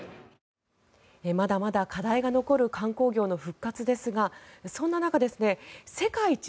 まだまだ課題が残る観光業の復活ですがそんな中世界一